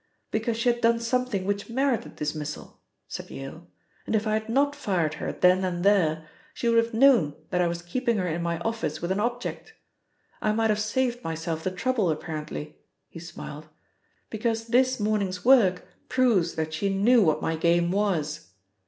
"Because she had done something which merited dismissal," said Yale, "and if I had not fired her then and there, she would have known that I was keeping her in my office with an object. I might have saved myself the trouble, apparently," he smiled, "because this morning's work proves that she knew what my game was."